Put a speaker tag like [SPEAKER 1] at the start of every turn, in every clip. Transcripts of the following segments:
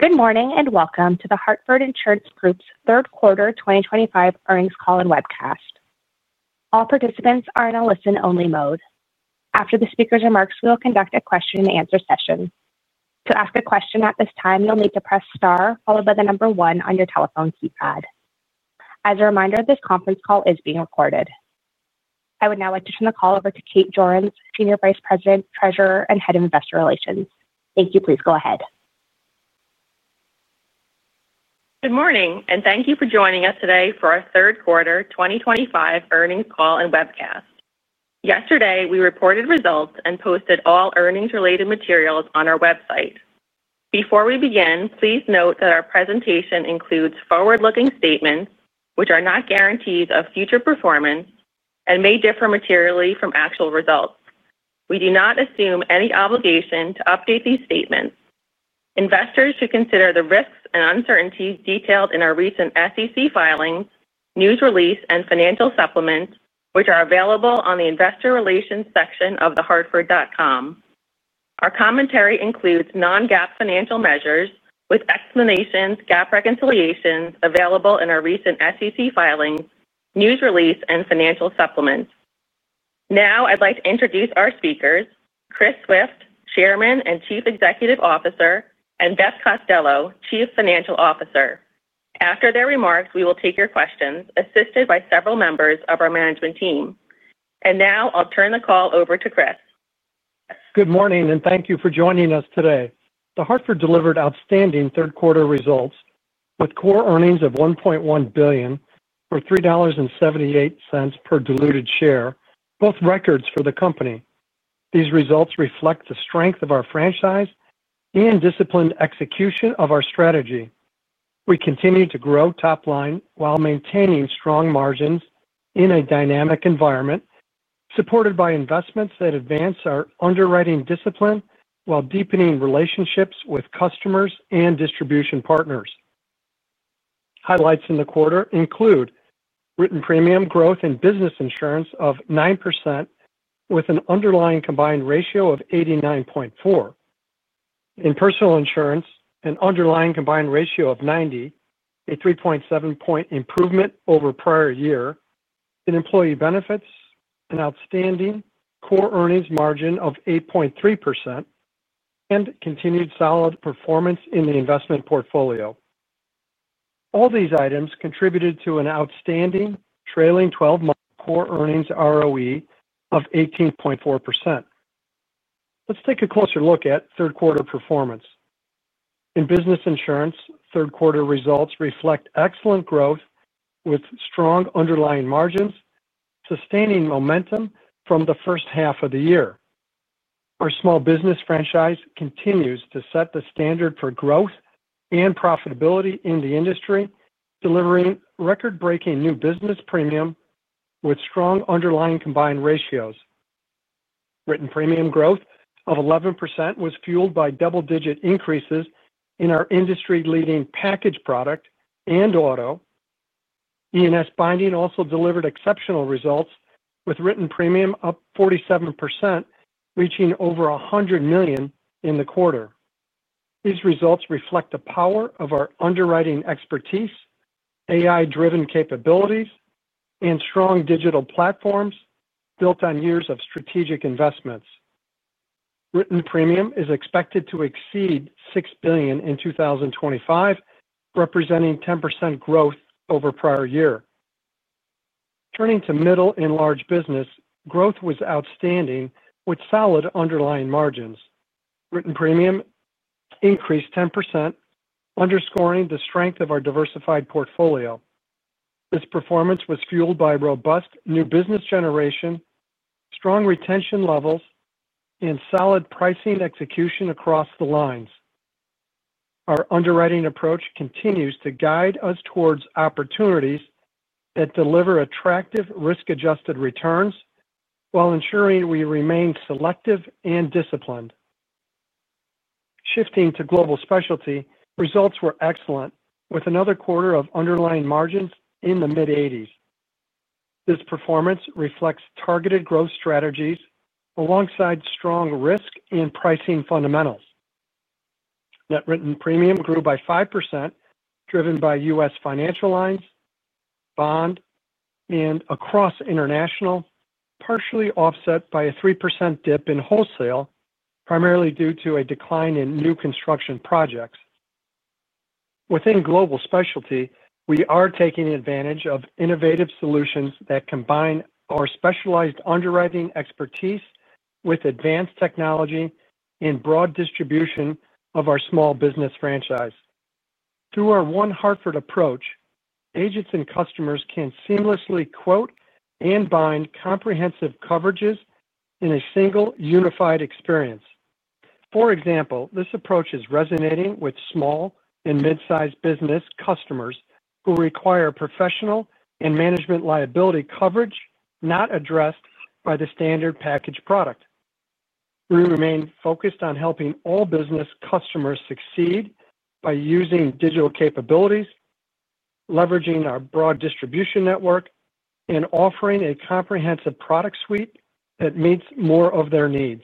[SPEAKER 1] Good morning and Welcome to The Hartford Financial Services Group's third quarter 2025 earnings call and webcast. All participants are in a listen only mode. After the speakers' remarks, we will conduct a question and answer session. To ask a question at this time, you'll need to press STAR followed by the number one on your telephone keypad. As a reminder, this conference call is being recorded. I would now like to turn the call over to Kate Jorens, Senior Vice President, Treasurer and Head of Investor Relations. Thank you. Please go ahead.
[SPEAKER 2] Good morning and thank you for joining us today for our third quarter 2025 earnings call and webcast. Yesterday we reported results and posted all earnings related materials on our website. Before we begin, please note that our presentation includes forward-looking statements which are not guarantees of future performance and may differ materially from actual results. We do not assume any obligation to update these statements. Investors should consider the risks and uncertainties detailed in our recent SEC filings, news release, and financial supplement which are available on the Investor Relations section of thehartford.com. Our commentary includes non-GAAP financial measures with explanations, GAAP reconciliations available in our recent SEC filings, news release, and financial supplements. Now I'd like to introduce our speakers, Christopher Swift, Chairman and Chief Executive Officer, and Beth Costello, Chief Financial Officer. After their remarks, we will take your questions assisted by several members of our management team. Now I'll turn the call over to Chris.
[SPEAKER 3] Good morning and thank you for joining us today. The Hartford delivered outstanding third quarter results with core earnings of $1.1 billion or $3.78 per diluted share, both records for the company. These results reflect the strength of our franchise and disciplined execution of our strategy. We continue to grow top line while maintaining strong margins in a dynamic environment supported by investments that advance our underwriting discipline while deepening relationships with customers and distribution partners. Highlights in the quarter include written premium growth in business insurance of 9% with an combined ratio of 89.4. In personal insurance, an combined ratio of 90, a 3.7 point improvement over prior year. In employee benefits, an outstanding core earnings margin of 8.3% and continued solid performance in the investment portfolio. All these items contributed to an outstanding trailing twelve month core earnings ROE of 18.4%. Let's take a closer look at third quarter performance in business insurance. Third quarter results reflect excellent growth with strong underlying margins, sustaining momentum from the first half of the year. Our small business franchise continues to set the standard for growth and profitability in the industry, delivering record breaking new business premium with strong combined ratios. written premium growth of 11% was fueled by double digit increases in our industry leading package product and auto. E&S binding also delivered exceptional results with written premium up 47%, reaching over $100 million in the quarter. These results reflect the power of our underwriting expertise, AI-driven capabilities and strong digital platforms built on years of strategic investments. Written premium is expected to exceed $6 billion in 2025, representing 10% growth over prior year. Turning to middle and large business, growth was outstanding with solid underlying margins. Written premium increased 10%, underscoring the strength of our diversified portfolio. This performance was fueled by robust new business generation, strong retention levels and solid pricing execution across the lines. Our underwriting approach continues to guide us towards opportunities that deliver attractive risk adjusted returns while ensuring we remain selective and disciplined. Shifting to Global Specialty, results were excellent with another quarter of underlying margins in the mid-80s. This performance reflects targeted growth strategies alongside strong risk and pricing fundamentals. Net written premium grew by 5% driven by U.S. financial lines, bond, and across International, partially offset by a 3% dip in wholesale primarily due to a decline in new construction projects. Within Global Specialty, we are taking advantage of innovative solutions that combine our specialized underwriting expertise with advanced technology and broad distribution of our small business franchise. Through our One Hartford approach, agents and customers can seamlessly quote and bind comprehensive coverages in a single unified experience. For example, this approach is resonating with small and mid-sized business customers who require professional and management liability coverage not addressed by the standard package product. We remain focused on helping all business customers succeed by using digital capabilities, leveraging our broad distribution network, and offering a comprehensive product suite that meets more of their needs.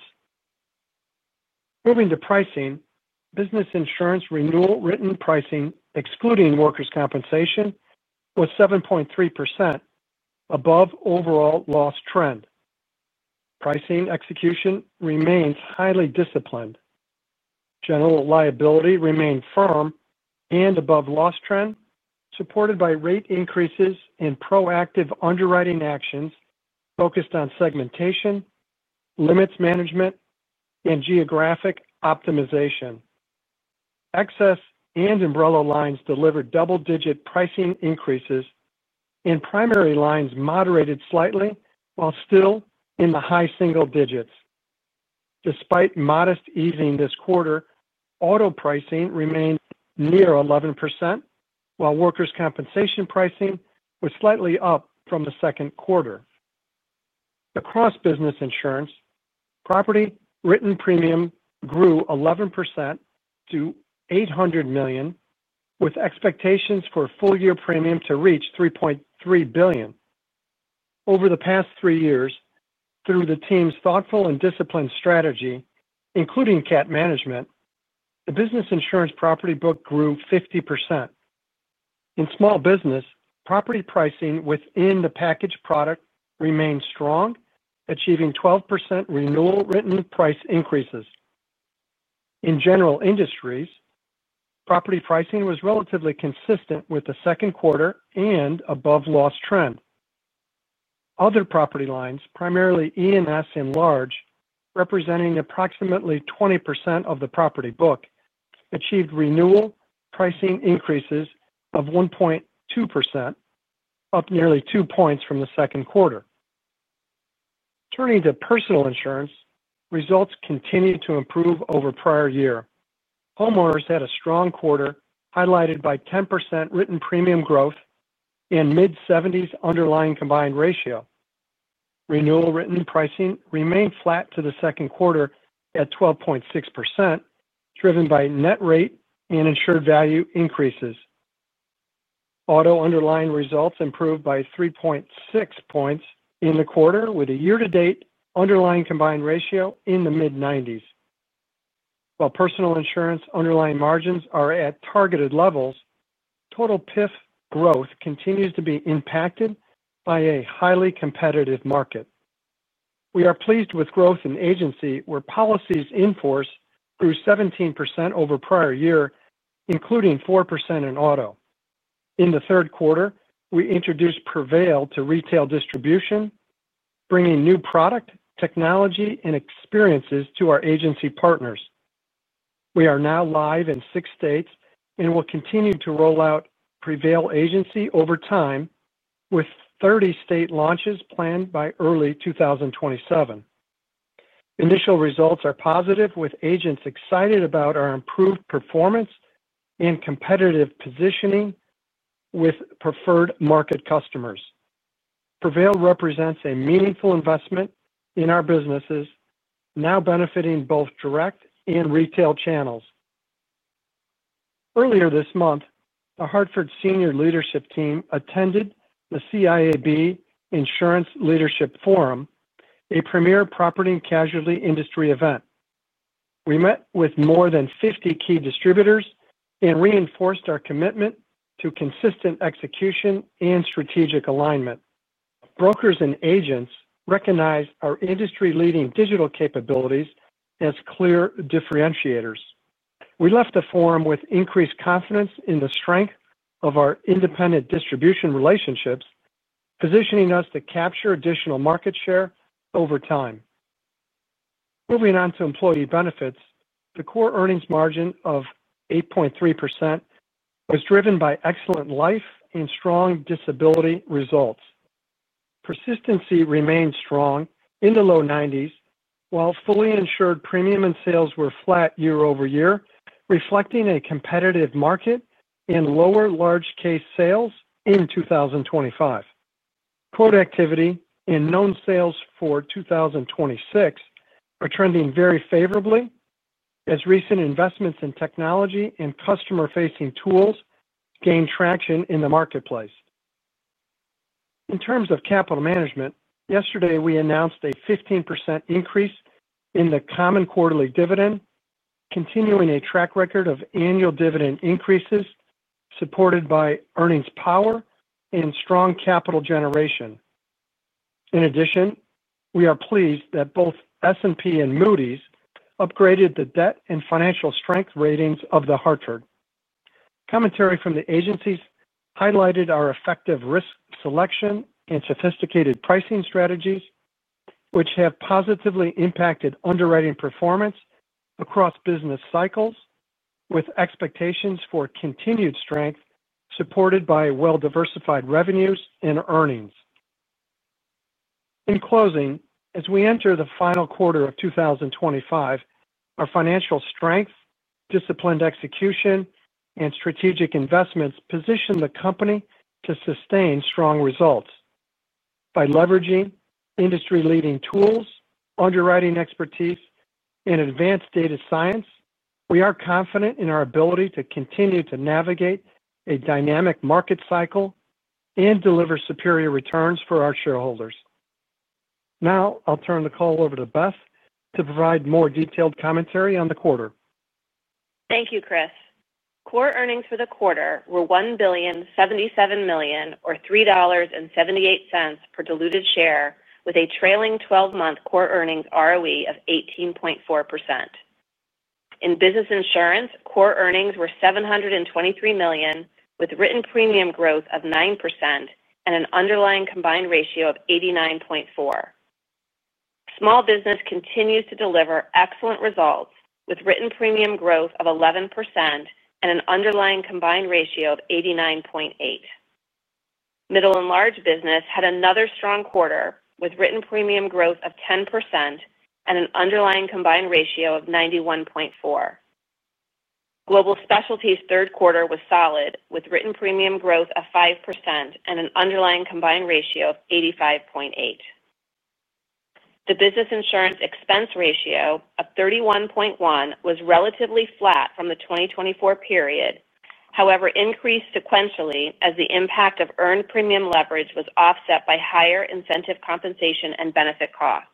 [SPEAKER 3] Moving to pricing, Business Insurance renewal written pricing excluding workers compensation was 7.3% above overall loss trend. Pricing execution remains highly disciplined. General liability remained firm and above loss trend, supported by rate increases and proactive underwriting actions focused on segmentation, limits, management, and geographic optimization. Excess and umbrella lines delivered double-digit pricing increases, and primary lines moderated slightly while still in the high single digits. Despite modest easing this quarter, auto pricing remained near 11% while workers compensation pricing was slightly up from the second quarter. Across Business Insurance, property written premium grew 11% to $800 million with expectations for full year premium to reach $3.3 billion. Over the past three years, through the team's thoughtful and disciplined strategy including cat management, the Business Insurance property book grew 50%. In Small Business, property pricing within the packaged product remained strong, achieving 12% renewal written price increases. In General Industries, property pricing was relatively consistent with the second quarter and above loss trend. Other property lines, primarily E&S and large, representing approximately 20% of the property book, achieved renewal pricing increases of 1.2%, up nearly 2 points from the second quarter. Turning to Personal Insurance, results continued to improve over prior year. Homeowners had a strong quarter highlighted by 10% written premium growth and mid-70s combined ratio. renewal written pricing remained flat to the second quarter at 12.6% driven by net rate and insured value increases. Auto underlying results improved by 3.6 points in the quarter with a year to date combined ratio in the mid-90s. While personal insurance underlying margins are at targeted levels, total PIF growth continues to be impacted by a highly competitive market. We are pleased with growth in agency where policies in force grew 17% over prior year including 4% in auto. In the third quarter we introduced Prevail to retail distribution, bringing new product, technology, and experiences to our agency partners. We are now live in six states and will continue to roll out Prevail agency over time. With 30 state launches planned by early 2027, initial results are positive with agents excited about our improved performance and competitive positioning with preferred market customers. Prevail represents a meaningful investment in our businesses now benefiting both direct and retail channels. Earlier this month The Hartford senior leadership team attended the CIAB Insurance Leadership Forum, a premier property and casualty industry event. We met with more than 50 key distributors and reinforced our commitment to consistent execution and strategic alignment. Brokers and agents recognize our industry leading digital capabilities as clear differentiators. We left the forum with increased confidence in the strength of our independent distribution relationships, positioning us to capture additional market share over time. Moving on to employee benefits, the core earnings margin of 8.3% was driven by excellent life and strong disability results. Persistency remained strong in the low 90s while fully insured premium and sales were flat year over year reflecting a competitive market and lower large case sales in 2025. Quote activity and known sales for 2026 are trending very favorably as recent investments in technology and customer facing tools gain traction in the marketplace. In terms of capital management, yesterday we announced a 15% increase in the common quarterly dividend, continuing a track record of annual dividend increases supported by earnings power and strong capital generation. In addition, we are pleased that both S&P and Moody’s upgraded the debt and financial strength ratings of The Hartford. Commentary from the agencies highlighted our effective risk selection and sophisticated pricing strategies, which have positively impacted underwriting performance across business cycles, with expectations for continued strength supported by well-diversified revenues and earnings. In closing, as we enter the final quarter of 2025, our financial strength, disciplined execution, and strategic investments position the company to sustain strong results by leveraging industry-leading tools, underwriting expertise, and advanced data science. We are confident in our ability to continue to navigate a dynamic market cycle and deliver superior returns for our shareholders. Now I'll turn the call over to Beth Costello to provide more detailed commentary on the quarter.
[SPEAKER 4] Thank you, Chris. core earnings for the quarter were $1,077,000,000, or $3.78 per diluted share, with a trailing twelve-month core earnings ROE of 18.4%. In business insurance, core earnings were $723 million with written premium growth of 9% and an combined ratio of 89.4. Small business continues to deliver excellent results with written premium growth of 11% and an combined ratio of 89.8. Middle and large business had another strong quarter with written premium growth of 10% and an combined ratio of 91.4. Global Specialty' third quarter was solid with written premium growth of 5% and an combined ratio of 85%. The business insurance expense ratio of 31.1 was relatively flat from the 2024 period, however, increased sequentially as the impact of earned premium leverage was offset by higher incentive compensation and benefit costs.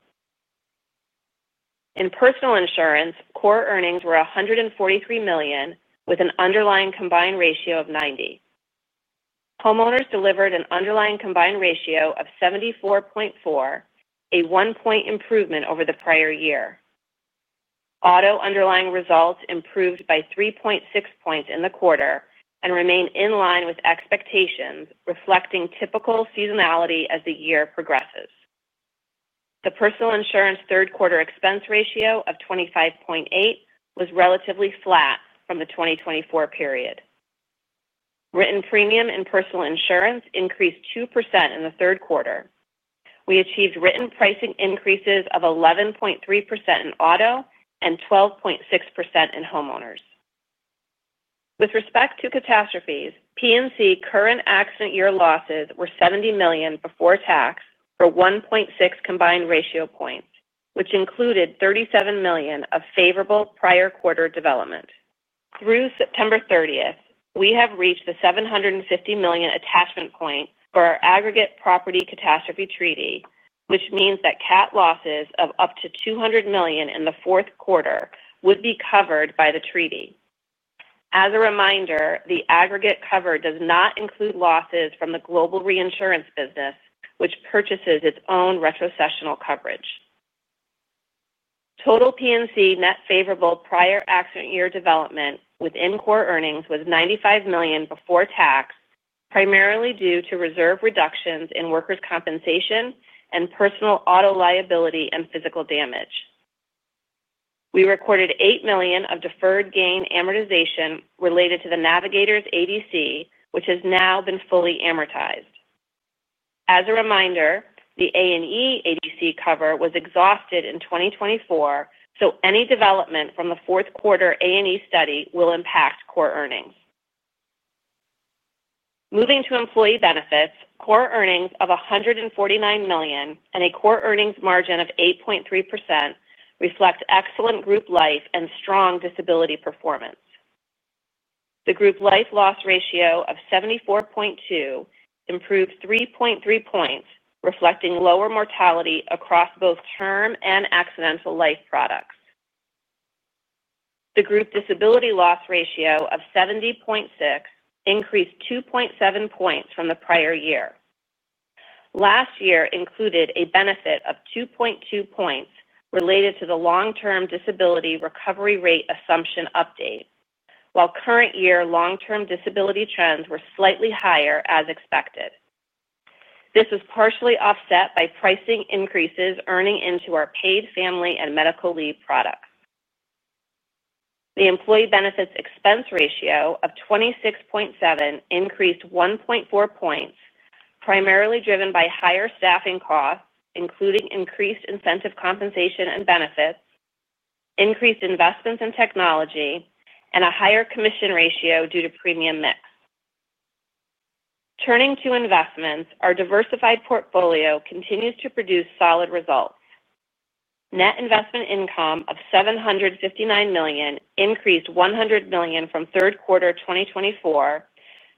[SPEAKER 4] In personal insurance, core earnings were $143 million with an combined ratio of 90. Homeowners delivered an combined ratio of 74.4, a 1 point improvement over the prior year. Auto underlying results improved by 3.6 points in the quarter and remain in line with expectations, reflecting typical seasonality as the year progresses. The personal insurance third quarter expense ratio of 25.8 was relatively flat from the 2024 period. Written premium in personal insurance increased 2% in the third quarter. We achieved written pricing increases of 11.3% in auto and 12.6% in homeowners. With respect to catastrophes, P&C current accident year losses were $70 million before tax for combined ratio points, which included $37 million of favorable prior quarter development through September 30th. We have reached the $750 million attachment point for our Aggregate Property Catastrophe Treaty, which means that CAT losses of up to $200 million in the fourth quarter would be covered by the treaty. As a reminder, the aggregate cover does not include losses from the global reinsurance business, which purchases its own retrocessional coverage. Total P&C net favorable prior accident year development within core earnings was $95 million before tax, primarily due to reserve reductions in workers compensation and personal auto liability and physical damage. We recorded $8 million of deferred gain amortization related to the Navigator's ADC, which has now been fully amortized. As a reminder, the A&E ADC cover was exhausted in 2024, so any development from the fourth quarter A and E study will impact core earnings. Moving to Employee Benefits, core earnings of $149 million and a core earnings margin of 8.3% reflect excellent group life and strong disability performance. The group life loss ratio of 74.2% improved 3.3 points, reflecting lower mortality across both term and accidental life products. The group disability loss ratio of 70.6% increased 2.7 points from the prior year. Last year included a benefit of 2.2 points related to the long term disability recovery rate assumption update. While current year long term disability trends were slightly higher as expected, this was partially offset by pricing increases earning into our Paid Family and Medical Leave products. The Employee Benefits expense ratio of 26.7% increased 1.4 points, primarily driven by higher staffing costs including increased incentive compensation and benefits, increased investments in technology, and a higher commission ratio due to premium mix. Turning to investments, our diversified portfolio continues to produce solid results. Net investment income of $759 million increased $100 million from third quarter 2024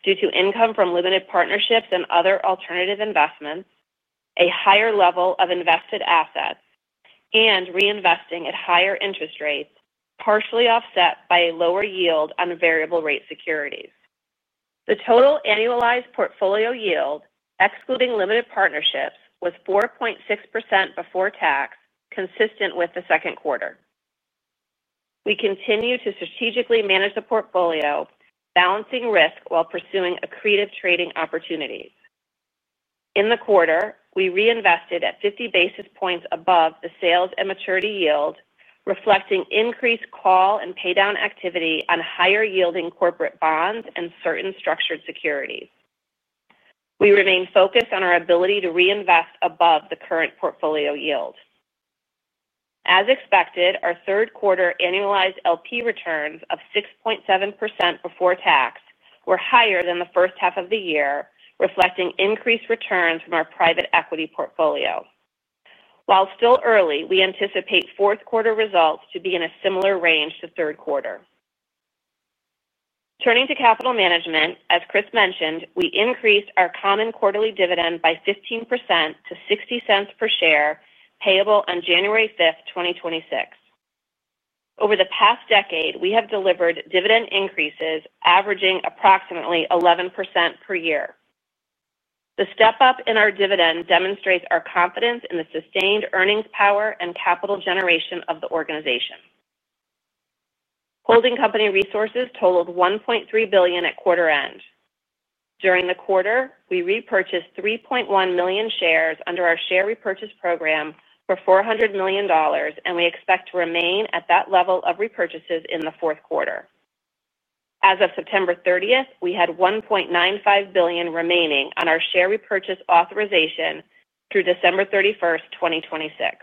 [SPEAKER 4] due to income from Limited partnerships and other alternative investments, a higher level of invested assets, and reinvesting at higher interest rates, partially offset by a lower yield on variable rate securities. The total annualized portfolio yield excluding Limited partnerships was 4.6% before tax, consistent with the second quarter. We continue to strategically manage the portfolio, balancing risk while pursuing accretive trading opportunities. In the quarter, we reinvested at 50 basis points above the sales and maturity yield, reflecting increased call and pay down activity on higher yielding corporate bonds and certain structured securities. We remain focused on our ability to reinvest above the current portfolio yield. As expected, our third quarter annualized LP returns of 6.7% before tax were higher than the first half of the year, reflecting increased returns from our private equity portfolio. While still early, we anticipate fourth quarter results to be in a similar range to third quarter. Turning to capital management, as Chris mentioned, we increased our common quarterly dividend by 15% to $0.60 per share payable on January 5th, 2026. Over the past decade, we have delivered dividend increases averaging approximately 11% per year. The step up in our dividend demonstrates our confidence in the sustained earnings power and capital generation of the organization. Holding company resources totaled $1.3 billion at quarter end. During the quarter, we repurchased 3.1 million shares under our share repurchase program for $400 million. We expect to remain at that level of repurchases in the fourth quarter. As of September 30th, we had $1.95 billion remaining on our share repurchase authorization through December 31st, 2026.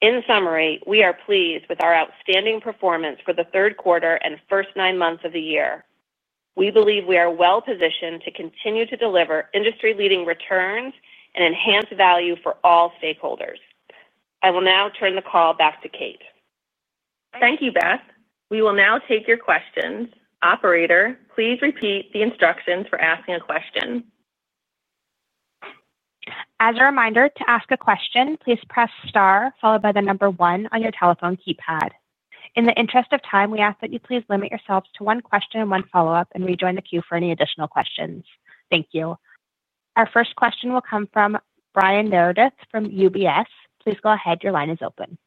[SPEAKER 4] In summary, we are pleased with our outstanding performance for the third quarter and first nine months of the year. We believe we are well positioned to continue to deliver industry leading returns and enhance value for all stakeholders. I will now turn the call back to Kate.
[SPEAKER 2] Thank you, Beth. We will now take your questions. Operator, please repeat the instructions for asking a question.
[SPEAKER 1] As a reminder, to ask a question, please press star followed by the number one on your telephone keypad. In the interest of time, we ask that you please limit yourselves to one question and one follow up and rejoin the queue for any additional questions. Thank you. Our first question will come from Brian Meredith from UBS. Please go ahead. Your line is open.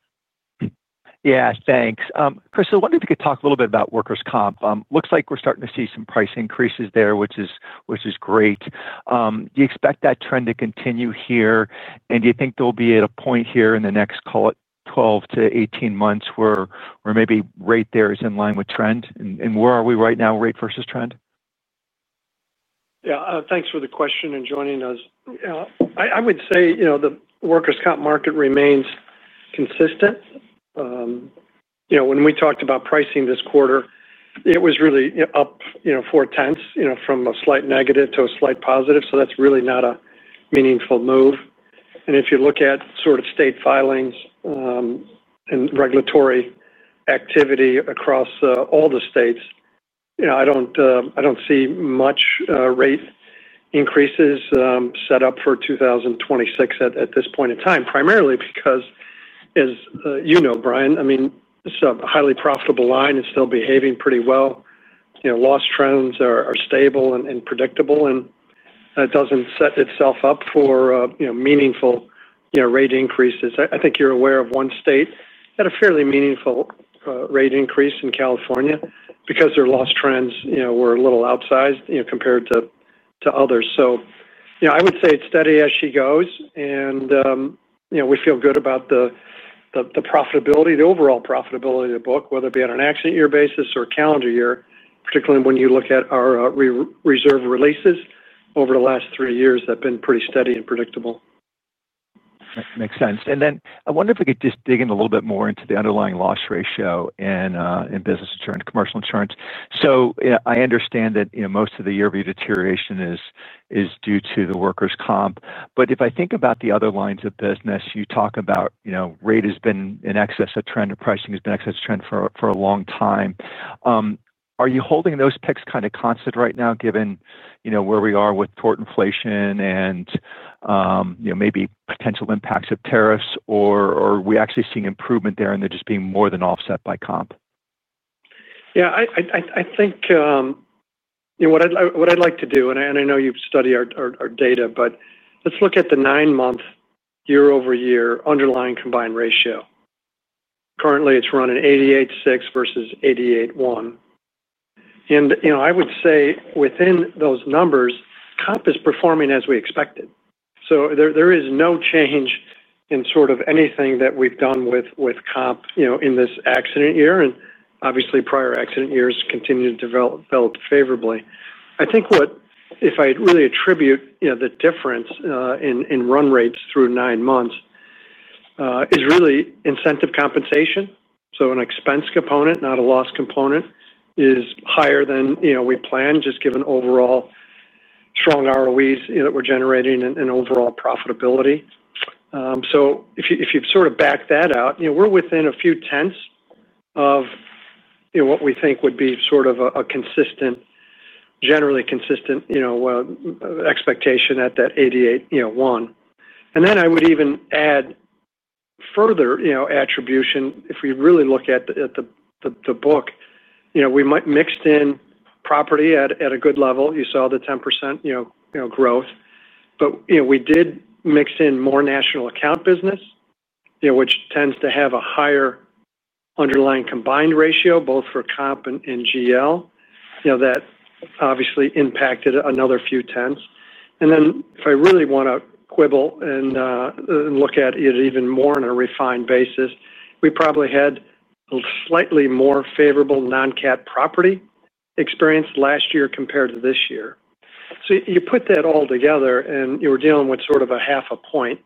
[SPEAKER 5] Yeah, thanks. Chris, I wonder if you could talk a little bit about workers comp. Looks like we're starting to see some price increases there, which is great. Do you expect that trend to continue here and do you think there'll be at a point here in the next, call it 12 - 18 months, where maybe rate there is in line with trend? Where are we right now, rate versus trend?
[SPEAKER 3] Yeah, thanks for the question and joining us. I would say the workers comp market remains consistent. When we talked about pricing this quarter, it was really up, you know, 4 times, from a slight negative to a slight positive. That's really not a meaningful move. If you look at sort of state filings and regulatory activity across all the states, I don't see much rate increases set up for 2026 at this point in time primarily because, as you know, Brian, it's a highly profitable line, is still behaving pretty well. Loss trends are stable and predictable and it doesn't set itself up for meaningful rate increases. I think you're aware of one state at a fairly meaningful rate increase in California because their loss trends were a little outsized compared to others. I would say it's steady as she goes. We feel good about the profitability, the overall profitability of the book, whether it be on an accident year basis or calendar year, particularly when you look at our reserve releases over the last three years that have been pretty steady and predictable.
[SPEAKER 5] Makes sense. I wonder if we could just dig in a little bit more into the underlying loss ratio and in business insurance, commercial insurance. I understand that most of the year view deterioration is due to the workers comp. If I think about the other lines of business you talk about, rate has been in excess of trend, pricing has been excess trend for a long time. Are you holding those picks kind of constant right now given where we are with tort inflation and maybe potential impacts of tariffs? Or are we actually seeing improvement there and they're just being more than offset by comp?
[SPEAKER 3] I think what I'd like to do, and I know you study our data, but let's look at the nine month year over year combined ratio. currently it's running 88.6% versus 88.1%. I would say within those numbers comp is performing as we expected. There is no change in sort of anything that we've done with comp in this accident year, and obviously prior accident years continue to develop favorably. I think if I really attribute the difference in run rates through nine months, it is really incentive compensation. An expense component, not a loss component, is higher than we planned just given overall strong ROEs that we're generating and overall profitability. If you sort of back that out, we're within a few tenths of what we think would be a generally consistent expectation at that 88.1. I would even add further attribution. If we really look at the book, we mixed in property at a good level. You saw the 10% growth. We did mix in more national account business, which tends to have a higher combined ratio both for comp and GL. That obviously impacted another few tenths. If I really want to quibble and look at it even more on a refined basis, we probably had slightly more favorable non-cat property experience last year compared to this year. You put that all together and you are dealing with sort of half a point.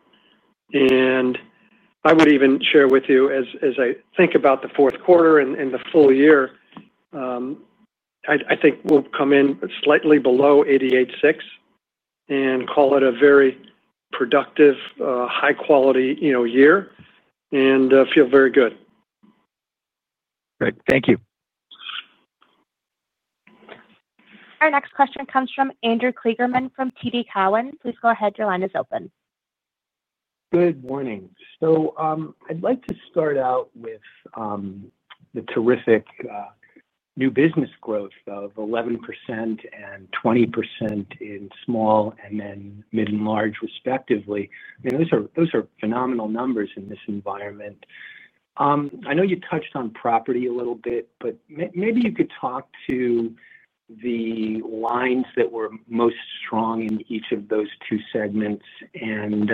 [SPEAKER 3] I would even share with you, as I think about the fourth quarter and the full year, I think we'll come in slightly below 88.6 and call it a very productive, high quality year and feel very good.
[SPEAKER 5] Thank you.
[SPEAKER 1] Our next question comes from Andrew Kligerman from TD Cowen. Please go ahead. Your line is open.
[SPEAKER 6] Good morning. I'd like to start out with the terrific new business growth of 11% and 20% in small and then mid and large respectively. Those are phenomenal numbers in this environment. I know you touched on property a little bit, but maybe you could talk to the lines that were most strong in each of those two segments and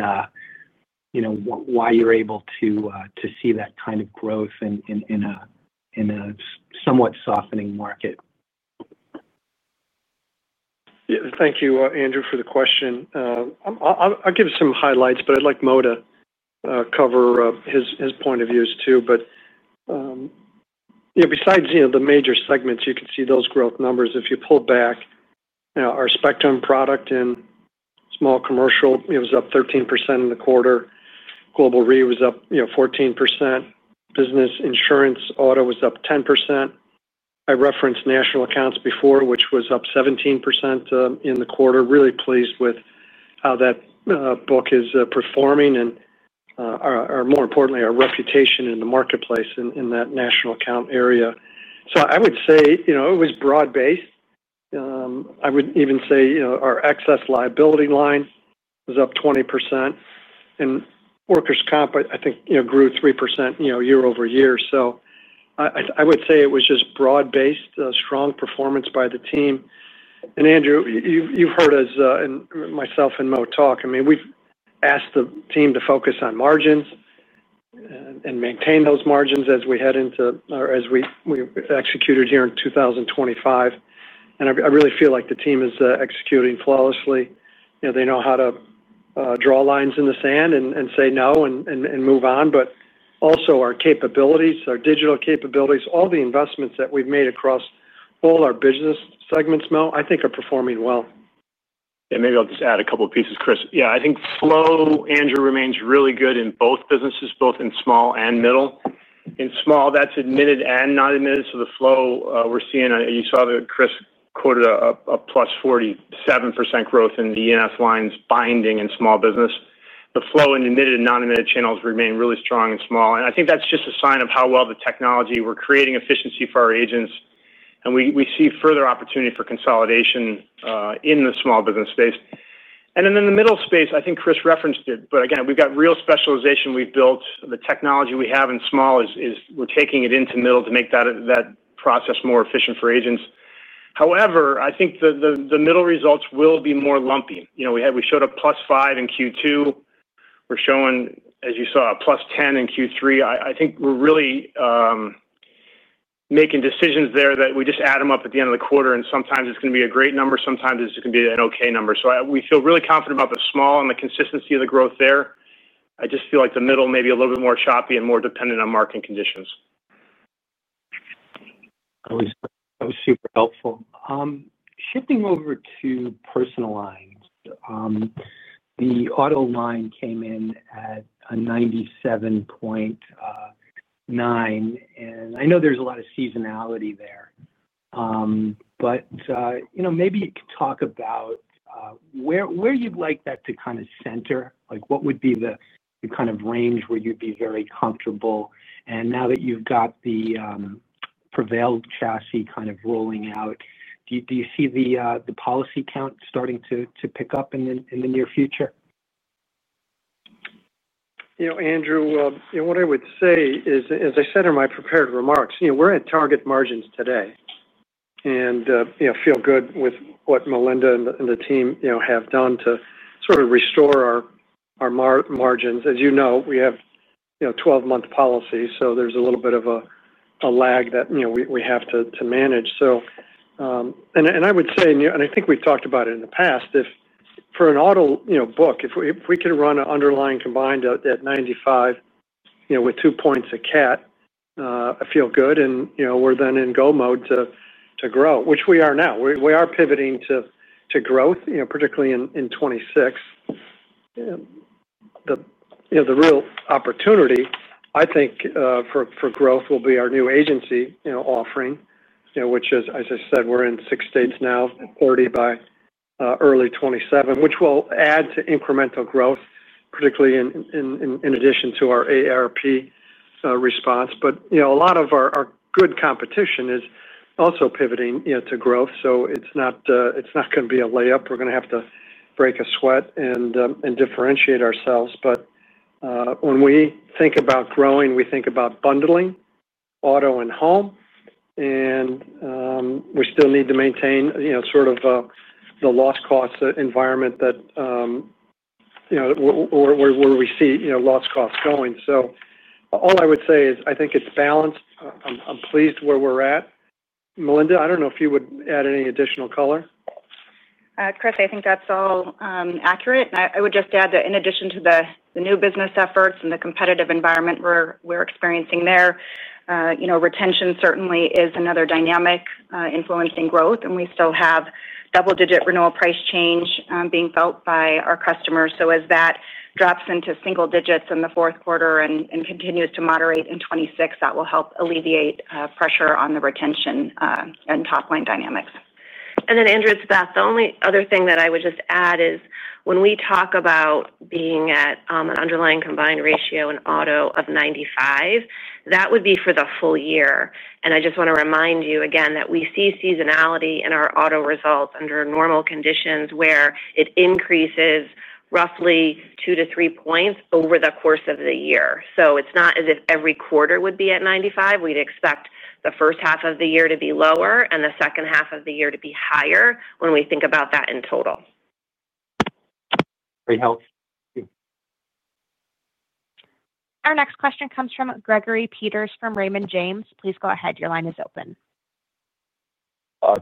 [SPEAKER 6] why you're able to see that kind of growth in a somewhat softening market.
[SPEAKER 3] Thank you, Andrew, for the question. I'll give some highlights, but I'd like Mo to cover his point of views too. Besides the major segments, you can see those growth numbers if you pull back our Spectrum product in small commercial, it was up 13% in the quarter. Global RE was up 14%. Business insurance auto was up 10%. I referenced National accounts before, which was up 17% in the quarter. Really pleased with how that book is performing and, more importantly, our reputation in the marketplace in that national account area. I would say it was broad based. I would even say our excess liability line was up 20% and workers comp, I think, grew 3% year-over-year. I would say it was just broad based. Strong performance by the team. Andrew, you've heard us and myself and Mo talk. We've asked the team to focus on margins and maintain those margins as we head into or as we executed here in 2025. I really feel like the team is executing flawlessly. They know how to draw lines in the sand and say no and move on. Also, our capabilities, our digital capabilities, all the investments that we've made across all our business segments, Mel, I think are performing well.
[SPEAKER 7] Maybe I'll just add a couple of pieces. Chris, I think flow, Andrew, remains really good in both businesses, both in small and middle. In small, that's admitted and not admitted. The flow we're seeing, you saw that Chris quoted a +47% growth in the E&S lines binding in small business. The flow in admitted and non-admitted channels remain really strong in small. I think that's just a sign of how well the technology we're creating efficiency for our agents and we see further opportunity for consolidation in the small business space. In the middle space, I think Chris referenced it, but again we've got real specialization. We've built the technology we have in small, we're taking it into middle to make that process more efficient for agents. However, I think the middle results will be more lumpy. You know, we had, we showed a plus 5 in Q2. We're showing, as you saw, +10 in Q3. I think we're really making decisions there that we just add them up at the end of the quarter, and sometimes it's going to be a great number, sometimes it's going to be an okay number. We feel really confident about the small and the consistency of the growth there. I just feel like the middle may be a little bit more choppy and more dependent on market conditions.
[SPEAKER 6] That was super helpful. Shifting over to personal lines, the auto line came in at a 97.9, and I know there's a lot of seasonality there, but maybe you could talk about where you'd like that to kind of center, like what would be the kind of range where you'd be very comfortable. Now that you've got the Prevail chassis kind of rolling out, do you see the policy count starting to pick up in the near future?
[SPEAKER 3] Andrew, what I would say is, as I said in my prepared remarks, we're at target margins today and feel good with what Melinda and the team have done to sort of restore our margins. As you know, we have 12-month policy, so there's a little bit of a lag that we have to manage. I would say, and I think we've talked about it in the past, if for an auto book, if we could run an underlying combined at 95, with two points of cat, I feel good. We're then in go mode to grow, which we are now. We are pivoting to growth, particularly in 2026. The real opportunity, I think, for growth will be our new agency offering, which is, as I said, we're in six states now, 30 by early 2027, which will add to incremental growth, particularly in addition to our AARP response. A lot of our good competition is also pivoting to growth. It's not going to be a layup. We're going to have to break a sweat and differentiate ourselves. When we think about growing, we think about bundling auto and home. We still need to maintain the loss costs environment, where we see loss costs going. All I would say is I think it's balanced. I'm pleased where we're at. Melinda, I don't know if you would add any additional color.
[SPEAKER 8] Chris, I think that's all accurate. I would just add that in addition to the new business efforts and the competitive environment we're experiencing there, retention certainly is another dynamic influencing growth. We still have double-digit renewal price change being felt by our customers. As that drops into single digits in the fourth quarter and continues to moderate in 2026, that will help alleviate pressure on the retention and top line dynamics.
[SPEAKER 4] Andrew, it's Beth. The only other thing that I would just add is when we talk about being at an combined ratio in auto of 95, that would be for the full year. I just want to remind you again that we see seasonality in our auto results under normal conditions where it increases roughly 2 -3 points over the course of the year. It's not as if every quarter would be at 95. We'd expect the first half of the year to be lower and the second half of the year to be higher when we think about that in total.
[SPEAKER 6] Great health.
[SPEAKER 1] Our next question comes from Gregory Peters from Raymond James. Please go ahead. Your line is open.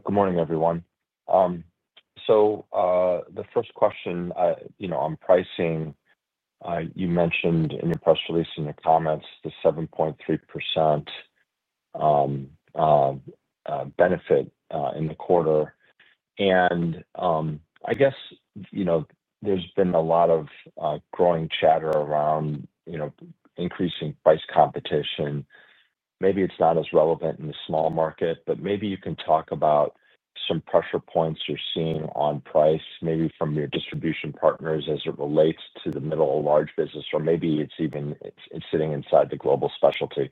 [SPEAKER 9] Good morning, everyone. The first question on pricing, you mentioned in your press release and your comments, the 7.3% benefit in the quarter. I guess there's been a lot of growing chatter around increasing price competition. Maybe it's not as relevant in the small market, but maybe you can talk about some pressure points you're seeing on price, maybe from your distribution partners as it relates to the middle large business, or maybe it's even sitting inside the global specialty.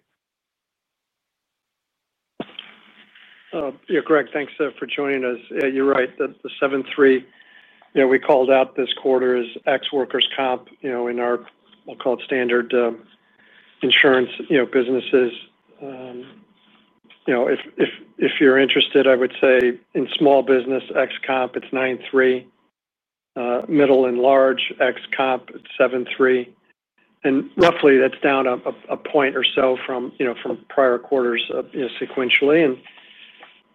[SPEAKER 3] Greg, thanks for joining us. You're right. The 7.3% we called out this quarter is ex workers comp. In our, we'll call it standard insurance businesses, if you're interested, I would say in small business ex comp, it's 9.3%, middle and large ex comp, it's 7.3%. Roughly, that's down a point or so from prior quarters sequentially.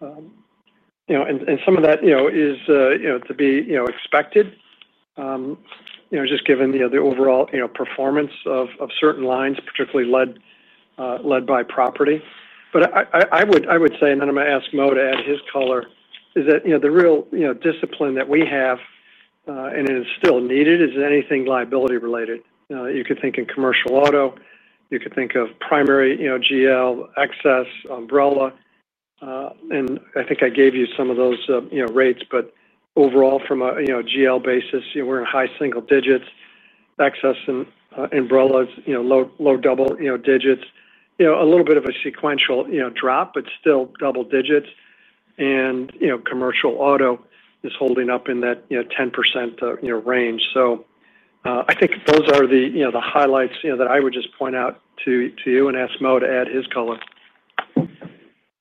[SPEAKER 3] Some of that is to be expected, just given the overall performance of certain lines, particularly led by property. I would say, and then I'm going to ask Mo to add his color, that the real discipline that we have, and it's still needed, is anything liability related. You could think in commercial auto, you could think of primary GL, excess umbrella, and I think I gave you some of those rates. Overall, from a GL basis, we're in high single digits, excess and umbrella is low double digits, a little bit of a sequential drop, but still double digits. Commercial auto is holding up in that 10% range. I think those are the highlights that I would just point out to you and ask Mo to add his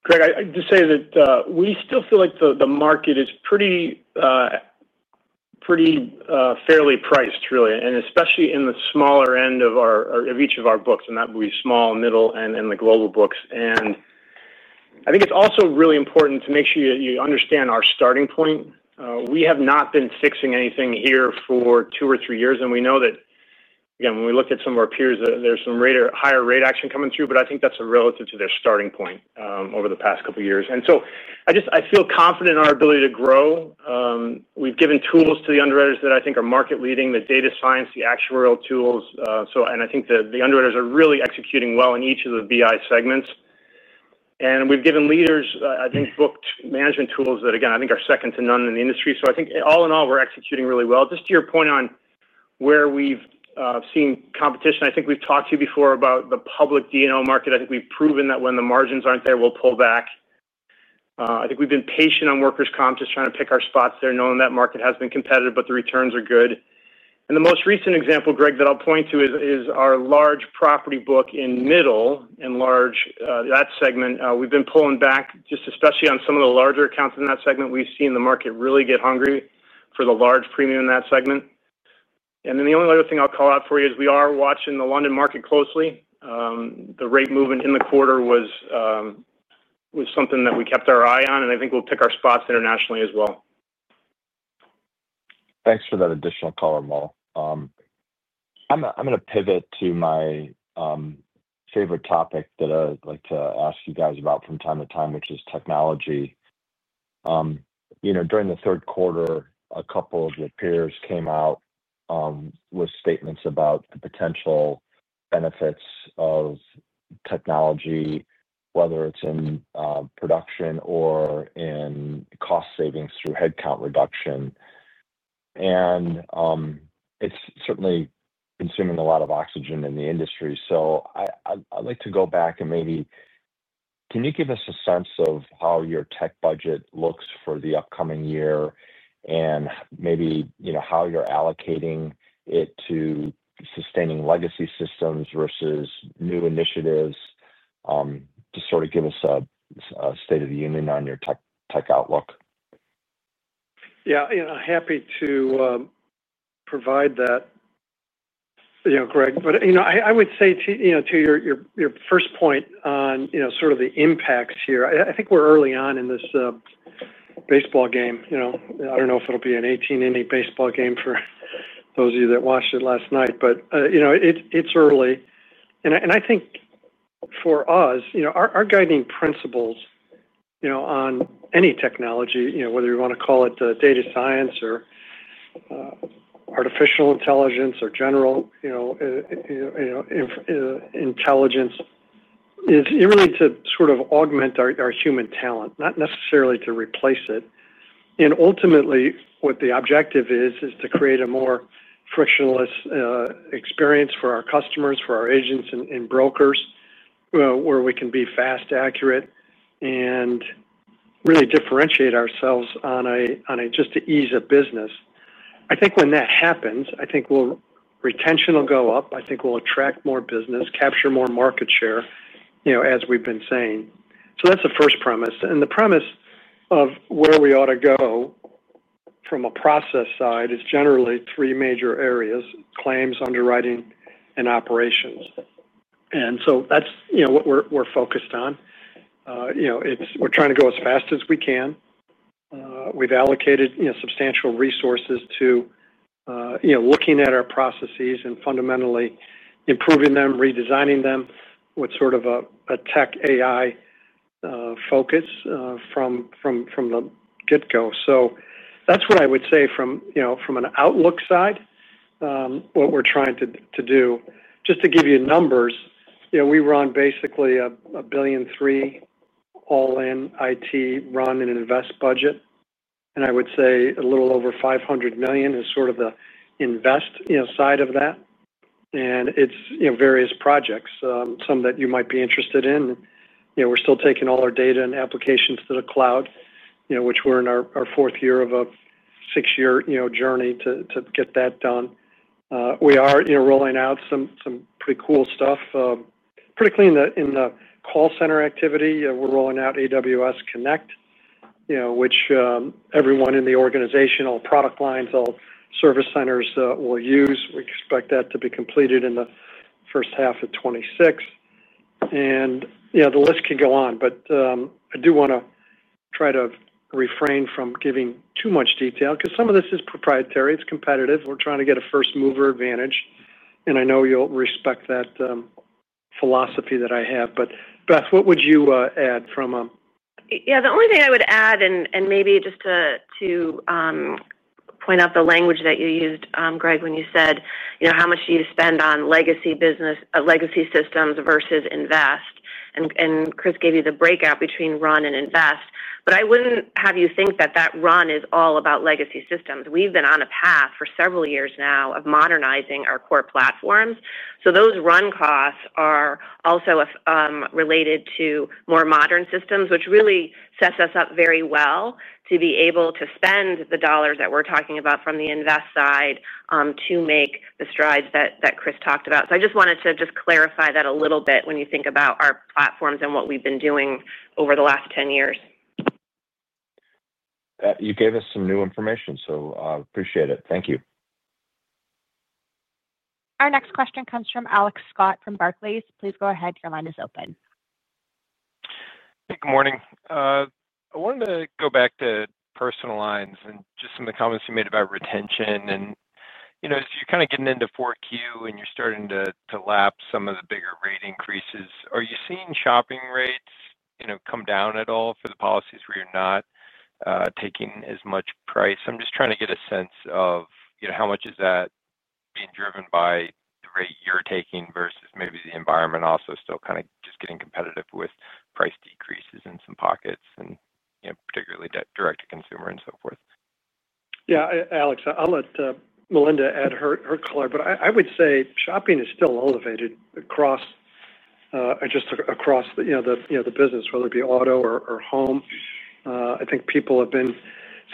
[SPEAKER 3] color.
[SPEAKER 7] Greg, just say that we still feel like the market is pretty fairly priced, really, and especially in the smaller end of each of our books, and that we, small, middle, and the global books. I think it's also really important to make sure you understand our starting point. We have not been fixing anything here for two or three years, and we know that again, when we look at some of our peers, there's some higher rate action coming through. I think that's relative to their starting point over the past couple years. I just feel confident in our ability to grow. We've given tools to the underwriters that I think are market leading, the data science, the actuarial tools. I think that the underwriters are really executing well in each of the BI segments, and we've given leaders, I think, book management tools that again I think are second to none in the industry. I think all in all we're executing really well. To your point on where we've seen competition, I think we've talked to you before about the public D&O market. I think we've proven that when the margins aren't there, we'll pull back. I think we've been patient on workers comp, just trying to pick our spots there knowing that market has been competitive but the returns are good. The most recent example, Greg, that I'll point to is our large property book in middle and large. That segment we've been pulling back, especially on some of the larger accounts in that segment. We've seen the market really get hungry for the large premium in that segment. The only other thing I'll call out for you is we are watching the London market closely. The rate movement in the quarter was something that we kept our eye on, and I think we'll pick our spots internationally as well.
[SPEAKER 9] Thanks for that additional color. I'm going to pivot to my favorite topic that I like to ask you guys about from time to time, which is technology. During the third quarter, a couple of your peers came out with statements about the potential benefits of technology, whether it's in production or in cost savings through headcount reduction. It's certainly consuming a lot of oxygen in the industry. I'd like to go back and maybe can you give us a sense of how your tech budget looks for the upcoming year and maybe how you're allocating it to sustaining legacy systems versus new initiatives to sort of give us a state of the union on your tech outlook?
[SPEAKER 3] Yeah, happy to provide that, Greg, but I would say to your first point on the impacts here, I think we're early on in this baseball game. I don't know if it'll be an 18-inning baseball game for those of you that watched it last night, but it's early. I think for us, our guiding principles on any technology, whether you want to call it data science or artificial intelligence or general intelligence, is really to sort of augment our human talent, not necessarily to replace it. Ultimately, what the objective is is to create a more frictionless experience for our customers, for our agents and brokers, where we can be fast, accurate, and really differentiate ourselves on a just to ease a business. I think when that happens, I think retention will go up, I think we'll attract more business, capture more market share, you know, as we've been saying. That's the first premise. The premise of where we ought to go from a process side is generally three major areas: claims, underwriting, and operations. That's what we're focused on. We're trying to go as fast as we can. We've allocated substantial resources to looking at our processes and fundamentally improving them, redesigning them with sort of a tech AI focus from the get-go. That's what I would say from an outlook side, what we're trying to do. Just to give you numbers, we run basically $1.3 billion all-in IT run and invest budget, and I would say a little over $500 million is sort of the invest side of that. It's various projects, some that you might be interested in. We're still taking all our data and applications to the cloud, which we're in our fourth year of a six-year journey to get that done. We are rolling out some pretty cool stuff, pretty clean in the call center activity. We're rolling out AWS Connect, which everyone in the organization, all product lines, all service centers will use. We expect that to be completed in the first half of 2026, and the list can go on. I do want to try to refrain from giving too much detail because some of this is proprietary, it's competitive. We're trying to get a first mover advantage. I know you'll respect that philosophy that I have. Beth, what would you add from.
[SPEAKER 4] Yeah, the only thing I would add, and maybe just to point out the language that you used, Greg, when you said how much do you spend on legacy systems vs. invest? Chris gave you the breakout between run and invest. I wouldn't have you think that run is all about legacy systems. We've been on a path for several years now of modernizing our core platforms. Those run costs are also related to more modern systems, which really sets us up very well to be able to spend the dollars that we're talking about from the invest side to make the strides that Chris talked about. I just wanted to clarify that a little bit. When you think about our platforms and what we've been doing over the last 10 years.
[SPEAKER 9] You gave us some new information, so appreciate it. Thank you.
[SPEAKER 1] Our next question comes from Alex Scott from Barclays. Please go ahead. Your line is open.
[SPEAKER 10] Good morning. I wanted to go back to personal lines and just some of the comments you made about retention. As you're kind of getting into 4Q and you're starting to lap some of the bigger rate increases, are you seeing shopping rates come down at all for the policies where you're not taking as much price? I'm just trying to get a sense of how much is that being driven by the rate you're taking versus maybe the environment also still kind of just getting competitive with price decreases in some pockets, particularly direct to consumer and so forth.
[SPEAKER 3] Yeah, Alex. I'll let Melinda add her color, but I would say shopping is still elevated across the business, whether it be auto or home. I think people have been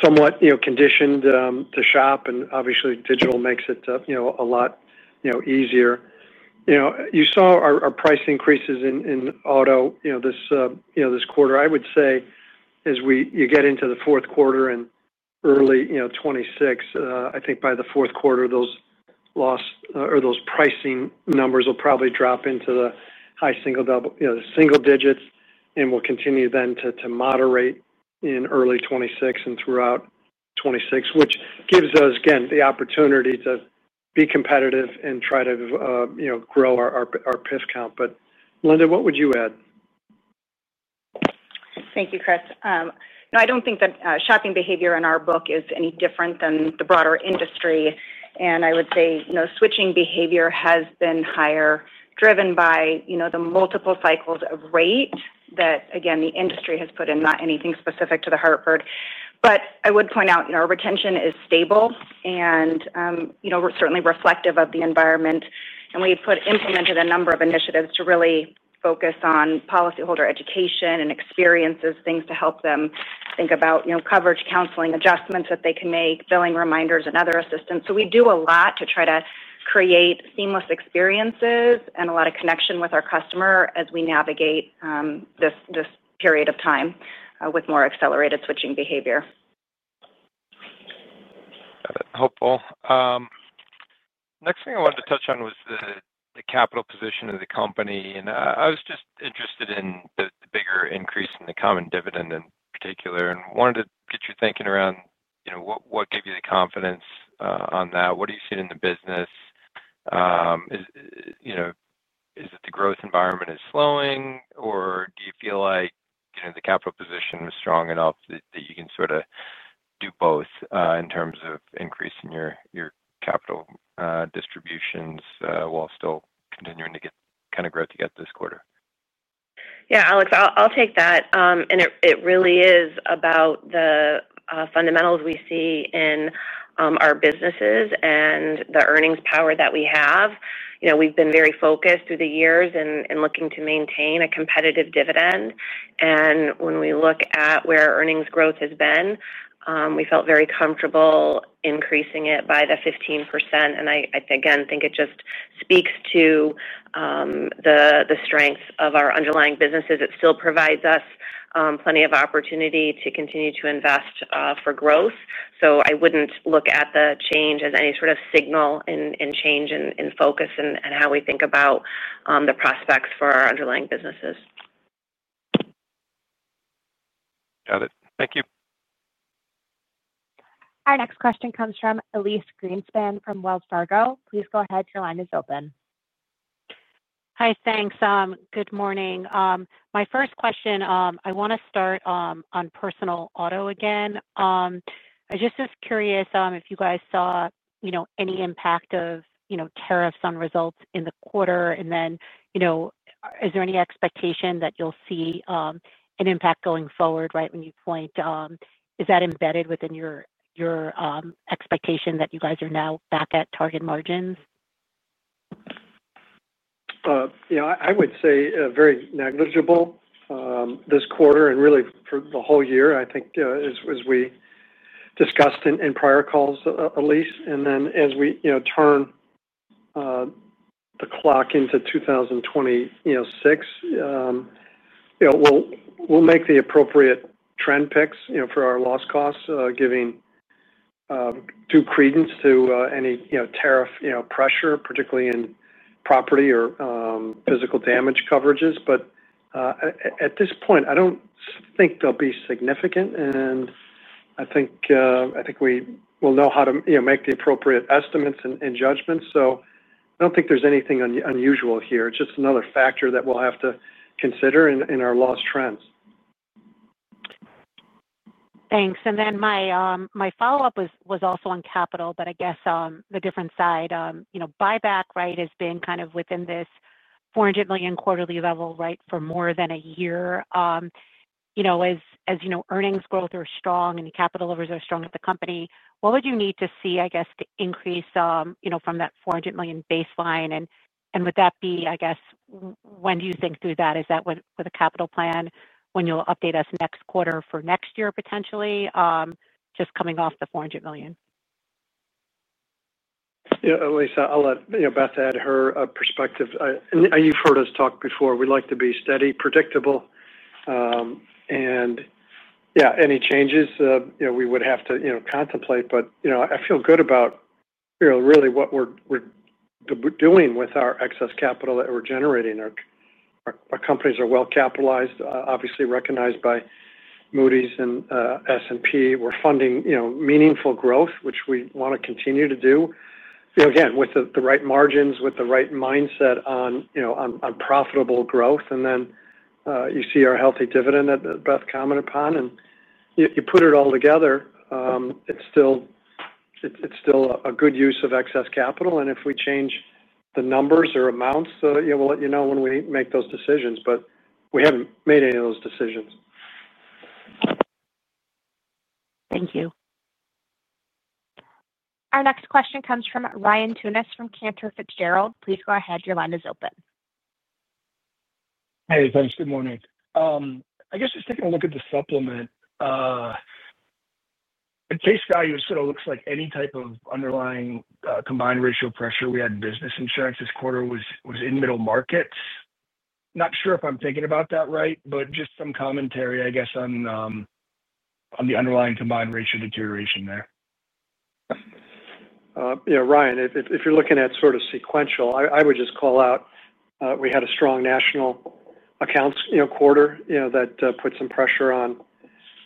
[SPEAKER 3] somewhat conditioned to shop and obviously digital makes it a lot easier. You saw our price increases in auto this quarter. I would say as you get into the fourth quarter and early 2026, I think by the fourth quarter those loss or those pricing numbers will probably drop into the high single, double single digits and will continue then to moderate in early 2026 and throughout 2026, which gives us again the opportunity to be competitive and try to grow our PIF count. Linda, what would you add?
[SPEAKER 8] Thank you, Chris. No, I don't think that shopping behavior in our book is any different than the broader industry. I would say switching behavior has been higher, driven by the multiple cycles of rate that, again, the industry has put in. Not anything specific to The Hartford, but I would point out our retention is stable and certainly reflective of the environment. We implemented a number of initiatives to really focus on policyholder education and experiences, things to help them think about coverage, counseling, adjustments that they can make, billing reminders, and other assistance. We do a lot to try to create seamless experiences and a lot of connection with our customer as we navigate this period of time with more accelerated switching behavior.
[SPEAKER 10] Hopeful. The next thing I wanted to touch on was the capital position of the company. I was just interested in the bigger increase in the common dividend in particular and wanted to get your thinking around what gave you the confidence on that. What are you seeing in the business? Is it the growth environment is slowing or do you feel like the capital position is strong enough that you can do both in terms of increasing your capital distributions while still continuing to get kind of grow together this quarter?
[SPEAKER 4] Yeah, Alex, I'll take that. It really is about the fundamentals we see in our businesses and the earnings power that we have. We've been very focused through the years and looking to maintain a competitive dividend. When we look at where earnings growth has been, we felt very comfortable increasing it by the 15%. I again think it just speaks to the strength of our underlying businesses. It still provides us plenty of opportunity to continue to invest for growth. I wouldn't look at the change as any sort of signal and change in focus and how we think about the prospects for our underlying businesses.
[SPEAKER 10] Got it. Thank you.
[SPEAKER 1] Our next question comes from Elyse Greenspan from Wells Fargo. Please go ahead. Your line is open.
[SPEAKER 11] Hi. Thanks. Good morning. My first question, I want to start on personal auto again. I just was curious if you guys saw any impact of tariffs on results in the quarter, and then is there any expectation that you'll see an impact going forward? Right. When you point, is that embedded within your expectation that you guys are now back at target margins?
[SPEAKER 3] Yeah, I would say very negligible this quarter. Really, for the whole year, I think, as we discussed in prior calls, Elyse, as we turn the clock into 2026, we'll make the appropriate trend picks for our loss costs, giving due credence to any tariff pressure, particularly in property or physical damage coverages. At this point, I don't think they'll be significant. I think we will know how to make the appropriate estimates and judgments. I don't think there's anything unusual here, just another factor that we'll have to consider in our loss trends.
[SPEAKER 11] Thanks. My follow up was also on capital, but I guess the different side, you know, buyback, right, has been kind of within this $400 million quarterly level, right, for more than a year. You know, as you know, earnings growth are strong and the capital levels are strong at the company. What would you need to see, I guess, to increase, you know, from that $400 million baseline? Would that be, I guess, when do you think through that? Is that with a capital plan? When you'll update us next quarter for next year, potentially just coming off the $400 million.
[SPEAKER 3] Elyse, I'll let Beth add her perspective. You've heard us talk before. We like to be steady, predictable, and yeah, any changes we would have to contemplate. I feel good about really what we're doing with our excess capital that we're generating. Our companies are well capitalized, obviously recognized by Moody's and S&P. We're funding meaningful growth, which we want to continue to do again with the right margins, with the right mindset on profitable growth. You see our healthy dividend that Beth commented upon, and you put it all together, it's still a good use of excess capital. If we change the numbers or amounts, we'll let you know when we make those decisions. We haven't made any of those decisions.
[SPEAKER 11] Thank you.
[SPEAKER 1] Our next question comes from Ryan Tunis from Cantor Fitzgerald. Please go ahead. Your line is open.
[SPEAKER 12] Hey, thanks. Good morning. I guess just taking a look at the supplement, the case value sort of looks like any type of combined ratio pressure. We had business insurance this quarter was in middle markets. Not sure if I'm thinking about that right. Just some commentary I guess on the combined ratio deterioration there.
[SPEAKER 3] Ryan, if you're looking at sort of sequential, I would just call out we had a strong National accounts quarter, that put some pressure on,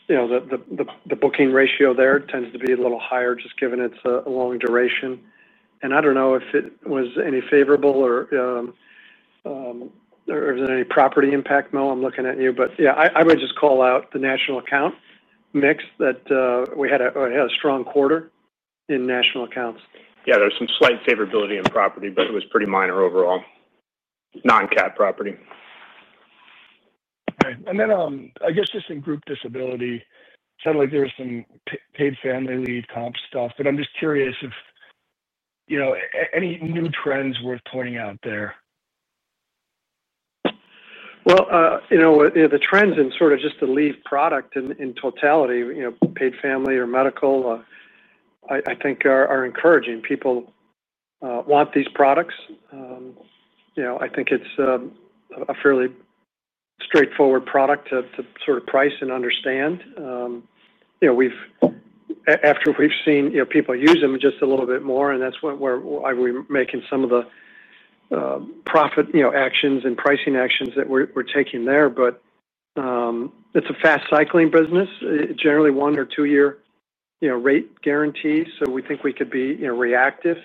[SPEAKER 3] the booking ratio there tends to be a little higher just given it's a long duration and I don't know if it was any favorable or is there any property impact. Mo, I'm looking at you. I would just call out the national account mix that we had a strong quarter in National accounts.
[SPEAKER 7] There is some slight favorability in property but it was pretty minor overall non-cat property.
[SPEAKER 12] I guess just in group disability, sounded like there was some paid family leave comp stuff. I'm just curious if you know any new trends worth pointing out there?
[SPEAKER 3] The trends in sort of just the leave product in totality, paid family or medical I think are encouraging. People want these products. I think it's a fairly straightforward product to sort of price and understand, after we've seen people use them just a little bit more and that's where we're making some of the profit, actions and pricing actions that we're taking there but it's a fast cycling business, generally one or two year rate guarantee. We think we could be reactive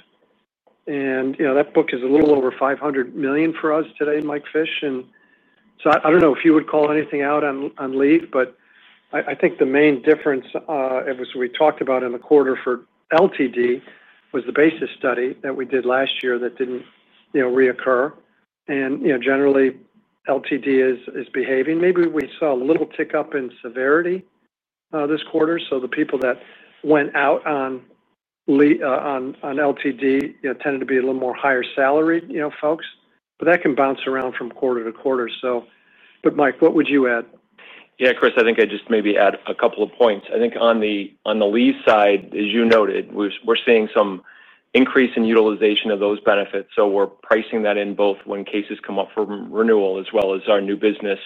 [SPEAKER 3] and that book is a little over $500 million for us today. Mike Fish, I don't know if you would call anything out on leave but I think the main difference we talked about in the quarter for LTD was the basis study that we did last year that didn't reoccur and generally LTD is behaving, maybe we saw a little tick up in severity this quarter. The people that went out on LTD tended to be a little more higher salaried folks. That can bounce around from quarter to quarter. Mike, what would you add?
[SPEAKER 13] Yeah Chris, I think I'd just maybe add a couple of points. I think on the leave side, as you noted, we're seeing some increase in utilization of those benefits. We're pricing that in both when cases come up for renewal as well as our new business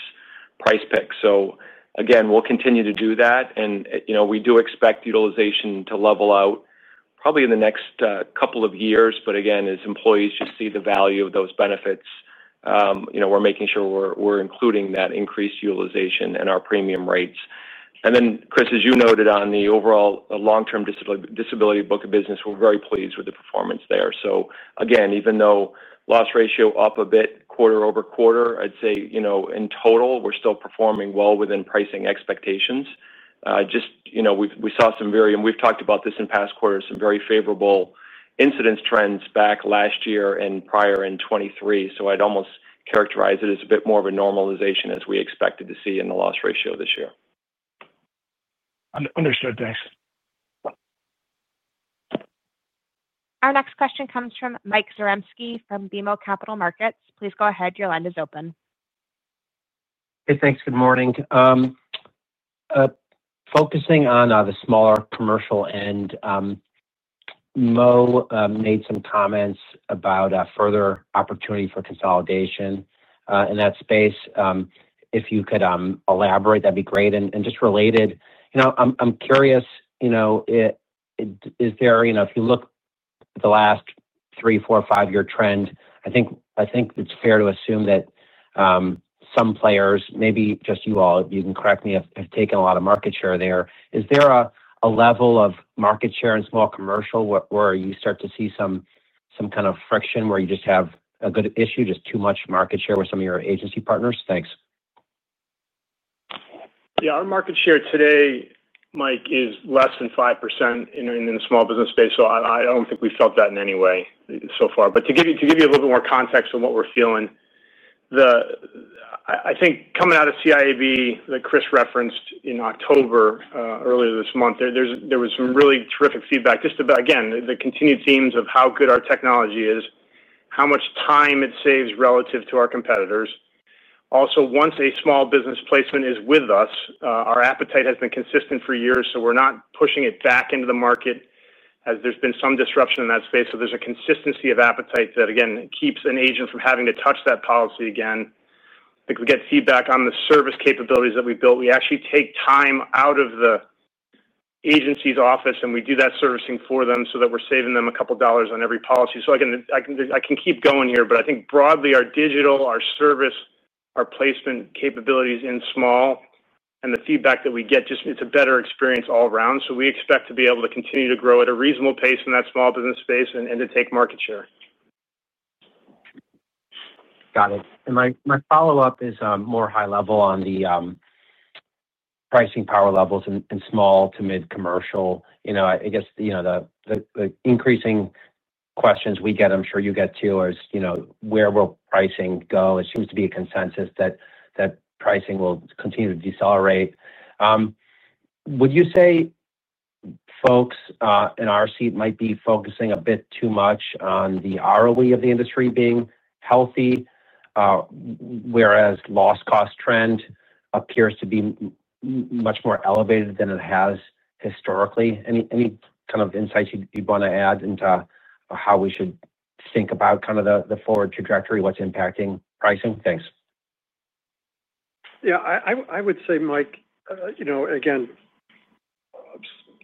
[SPEAKER 13] price pick. We'll continue to do that and we do expect utilization to level out probably in the next couple of years. As employees see the value of those benefits, we're making sure we're including that increased utilization in our premium rates. Chris, as you noted on the overall long term disability book of business, we're very pleased with the performance there. Even though loss ratio is up a bit quarter over quarter, I'd say in total we're still performing well within pricing expectations. We saw some very, and we've talked about this in past quarters, some very favorable incidence trends back last year and prior in 2023. I'd almost characterize it as a bit more of a normalization as we expected to see in the loss ratio this year.
[SPEAKER 12] Understood, thanks.
[SPEAKER 1] Our next question comes from Mike Zaremski from BMO Capital Markets. Please go ahead. Your line is open.
[SPEAKER 14] Thanks. Good morning. Focusing on the smaller commercial end, Mo made some comments about further opportunity for consolidation in that space. If you could elaborate, that'd be great and just related, you know, I'm curious, you know, is there, you know, if you look at the last three, four, five year trend, I think it's fair to assume that some players, maybe just you all, you can correct me if taking a lot of market share there, is there a level of market share in small commercial where you start to see some kind of friction where you just have a good issue, just too much market share with some of your agency partners. Thanks.
[SPEAKER 7] Yeah, our market share today, Mike, is less than 5% in the small business space. I don't think we felt that in any way so far. To give you a little bit more context on what we're feeling, I think coming out of CIAB that Chris referenced in October, earlier this month, there was some really terrific feedback. Just about again, the continued themes of how good our technology is, how much time it saves relative to our competitors. Also, once a small business placement is with us, our appetite has been consistent for years. We're not pushing it back into the market as there's been some disruption in that space. There's a consistency of appetite that again keeps an agent from having to touch that policy again because we get feedback on the service capabilities that we built. We actually take time out of the agency's office and we do that servicing for them so that we're saving them a couple dollars on every policy. I can keep going here, but I think broadly our digital, our service, our placement capabilities in small and the feedback that we get, just it's a better experience all around. We expect to be able to continue to grow at a reasonable pace in that small business space and to take market share.
[SPEAKER 14] Got it. My follow up is more high level on the pricing power levels in small to mid commercial. I guess, you know, the increasing questions we get, I'm sure you get too, is, you know, where will pricing go? It seems to be a consensus that pricing will continue to decelerate. Would you say folks in our seat might be focusing a bit too much on the ROE of the industry being healthy? Whereas loss cost trend appears to be much more elevated than it has historically. Any kind of insights you'd want to add into how we should think about kind of the forward trajectory? What's impacting pricing? Thanks.
[SPEAKER 3] Yeah, I would say, Mike,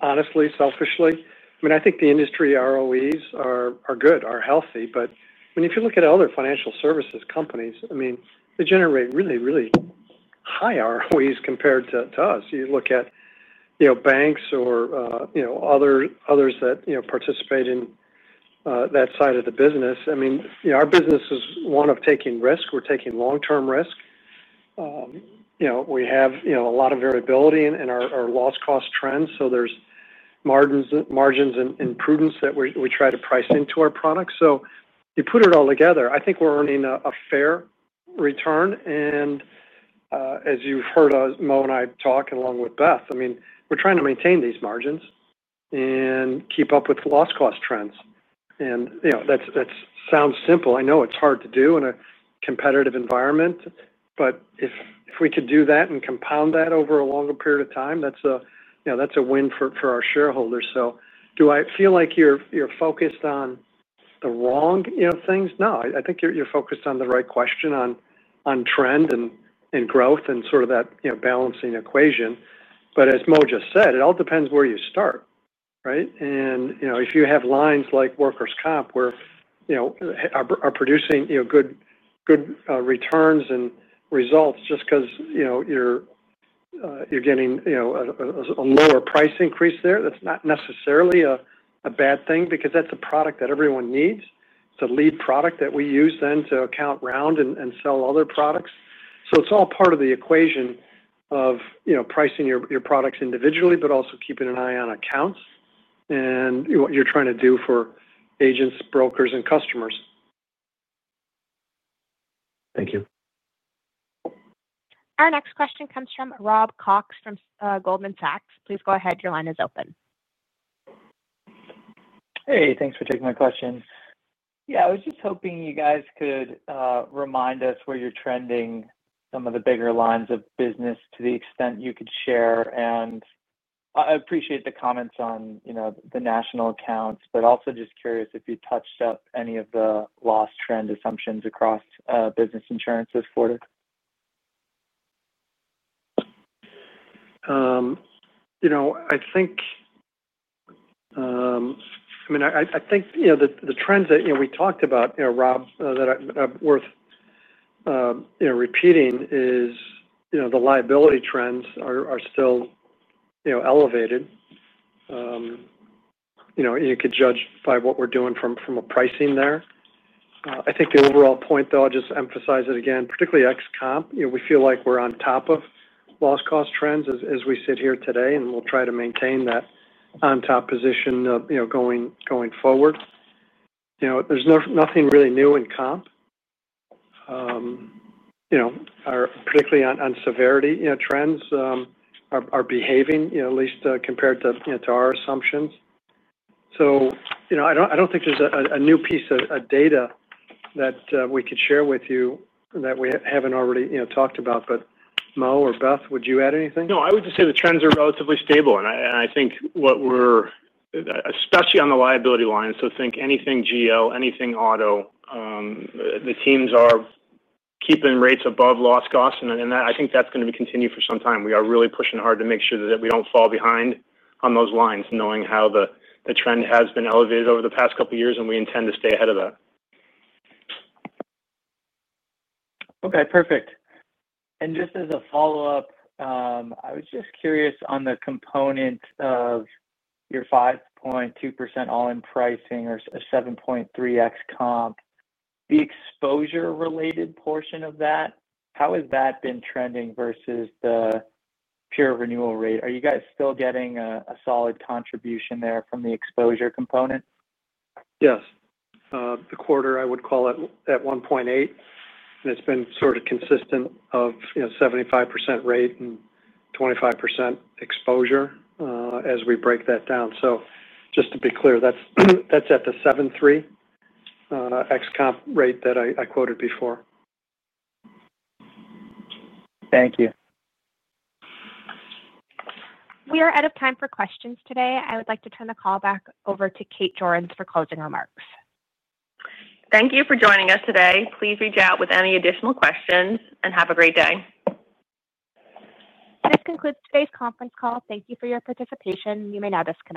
[SPEAKER 3] honestly, selfishly, I mean, I think the industry ROEs are good, are healthy, but if you look at other financial services companies, I mean they generate really, really high ROEs compared to us. You look at banks or others that participate in that side of the business. Our business is one of taking risk. We're taking long term risk. We have a lot of variability in our loss cost trends. There are margins and prudence that we try to price into our products. You put it all together, I think we're earning a fair return. As you've heard, Mo and I talk along with Beth, we're trying to maintain these margins and keep up with loss cost trends. That sounds simple. I know it's hard to do in a competitive environment, but if we could do that and compound that over a longer period of time, that's a win for our shareholders. Do I feel like you're focused on the wrong things? No, I think you're focused on the right question on trend and growth and sort of that balancing equation. As Mo just said, it all depends where you start. If you have lines like workers compensation where you are producing good returns and results just because you're getting a lower price increase there, that's not necessarily a bad thing because that's a product that everyone needs. It's a lead product that we use then to account round and sell other products. It's all part of the equation of pricing your products individually but also keeping an eye on accounts and what you're trying to do for agents, brokers, and customers.
[SPEAKER 14] Thank you.
[SPEAKER 1] Our next question comes from Rob Cox from Goldman Sachs. Please go ahead. Your line is open.
[SPEAKER 15] Hey, thanks for taking my question. I was just hoping you guys could remind us where you're trending some of the bigger lines of business to the extent you could share and I appreciate the comments on the National accounts, but also just curious if you touched up any of the loss trend assumptions across business insurance this quarter.
[SPEAKER 3] I think the trends that we talked about, Rob, that are worth repeating is the liability trends are still elevated. You could judge by what we're doing from a pricing there. I think the overall point though, I'll just emphasize it again, particularly ex comp. We feel like we're on top of loss cost trends as we sit here today and we'll try to maintain that on top position going forward. There's nothing really new in comp, particularly on severity trends are behaving at least compared to our assumptions. I don't think there's a new piece of data that we could share with you that we haven't already talked about. Mo or Beth, would you add anything?
[SPEAKER 7] No, I would just say the trends are relatively stable and I think what we're seeing especially on the liability line. So think anything GL, anything auto. The teams are keeping rates above loss costs and I think that's going to be continued for some time. We are really pushing hard to make sure that we don't fall behind on those lines knowing how the trend has been elevated over the past couple of years and we intend to stay ahead of that.
[SPEAKER 15] Okay, perfect. Just as a follow-up, I was just curious on the component of your 5.2% all-in pricing or a 7.3% comp, the exposure related portion of that, how has that been trending versus the pure renewal rate? Are you guys still getting a solid contribution there from the exposure component?
[SPEAKER 3] Yes, the quarter I would call it at 1.8. It's been sort of consistent at 75% rate and 25% exposure as we break that down. Just to be clear, that's at the 7.3% comp rate that I quoted before.
[SPEAKER 15] Thank you.
[SPEAKER 1] We are out of time for questions today. I would like to turn the call back over to Kate Jorens for closing remarks.
[SPEAKER 2] Thank you for joining us today. Please reach out with any additional questions and have a great day.
[SPEAKER 1] This concludes today's conference call. Thank you for your participation. You may now disconnect.